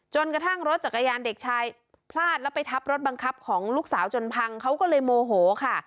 กระทั่งรถจักรยานเด็กชายพลาดแล้วไปทับรถบังคับของลูกสาวจนพังเขาก็เลยโมโหค่ะ